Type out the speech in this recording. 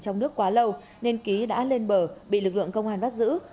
trong nước quá lâu nên ký đã lên bờ bị lực lượng công an bắt giữ